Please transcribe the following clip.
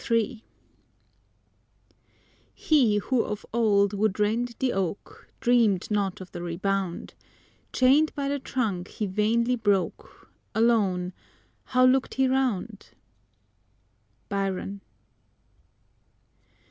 III He who of old would rend the oak, Dream'd not of the rebound; Chain'd by the trunk he vainly broke Alone how look'd he round? BYRON.